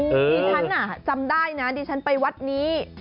ดิฉันจำได้นะดิฉันไปวัดนี้